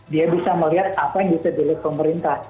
dia bisa melihat apa yang bisa dilihat pemerintah